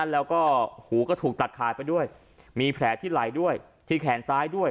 แล้วก็หูก็ถูกตัดขาดไปด้วยมีแผลที่ไหลด้วยที่แขนซ้ายด้วย